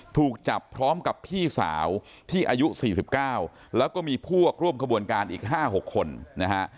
ถูกจับพร้อมกับพี่สาวที่อายุ๔๙แล้วก็มีพวกร่วมขบวนการอีก๕๖คนนะฮะ